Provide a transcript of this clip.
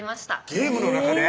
ゲームの中で？